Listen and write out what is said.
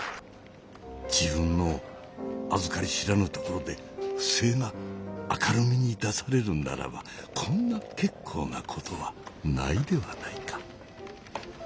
自分のあずかり知らぬところで不正が明るみに出されるならばこんな結構なことはないではないか。